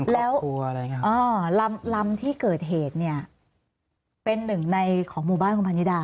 แล้วลำที่เกิดเหตุเนี่ยเป็นหนึ่งในของหมู่บ้านคุณพันนิดา